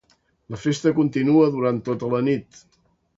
La festa continua durant tota la nit.